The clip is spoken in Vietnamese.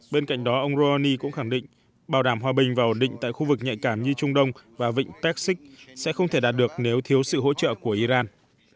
bên cạnh đó ông rouhani cũng khẳng định bảo đảm hòa bình và ổn định tại khu vực nhạy cảm như trung đông và vịnh pekshik sẽ không thể đạt được nếu thiếu sự hỗ trợ của iran